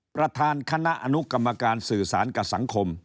ประธานคณะอนุกรรมการสื่อสารกับสังคม